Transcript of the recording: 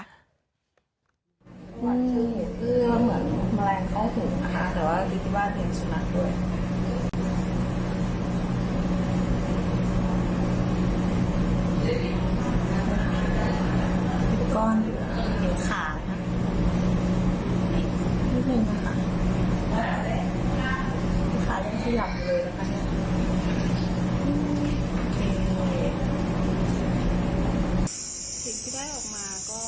มีก้อนเหนือขา